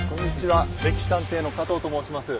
「歴史探偵」の加藤と申します。